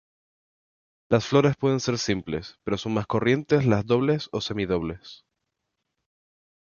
Las flores pueden ser simples, pero son más corrientes las dobles o semi-dobles.